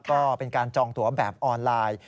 ก็เป็นการจองตัวแบบออนไลน์